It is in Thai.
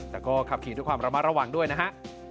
แต่ก็ขับขี่ด้วยความระมัดระวังด้วยนะฮะ